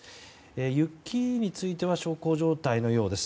雪については小康状態のようです。